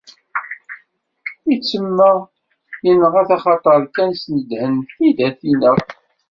Ittemma inɣa-t axateṛ kan snedhen-t-id ad t-ineɣ.